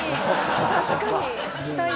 確かに！